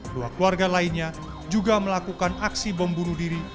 dua keluarga lainnya juga melakukan aksi bom bunuh diri